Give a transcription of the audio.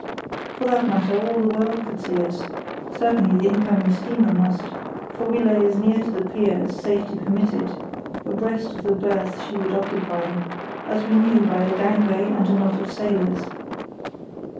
For that matter all the world could see us—certainly the incoming steamer must; for we lay as near to the pier as safety permitted, abreast of the berth she would occupy, as we knew by a gangway and a knot of sailors.